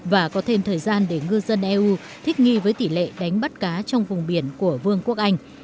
và có thêm thời gian để ngư dân eu thích nghi với tỷ lệ đánh bắt cá trong vùng biển của vương quốc anh